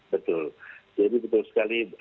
betul jadi betul sekali